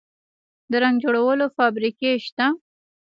د رنګ جوړولو فابریکې شته؟